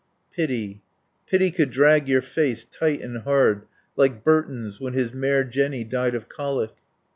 Pity. Pity could drag your face tight and hard, like Burton's when his mare, Jenny, died of colic.